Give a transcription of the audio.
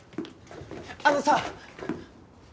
あのさ！